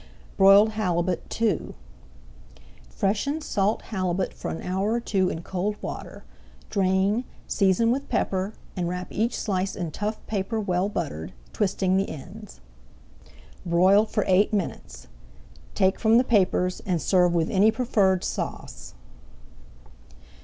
BROILED HALIBUT II Freshen salt halibut for an hour or two in cold water, drain, season with pepper, and wrap each slice in tough paper well buttered, twisting the ends. Broil for eight minutes. Take from the papers and serve with any preferred sauce.